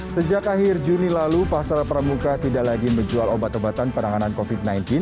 sejak akhir juni lalu pasar pramuka tidak lagi menjual obat obatan penanganan covid sembilan belas